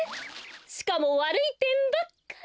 しかもわるいてんばっかり。